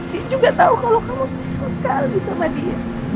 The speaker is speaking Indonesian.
dia juga tau kalau kamu sayang sekali sama dia